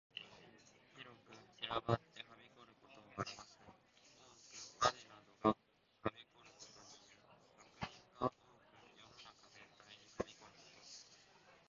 広く散らばってはびこることを表す。多く悪などがはびこることにいう。悪人が多く世の中全体に蔓延ること。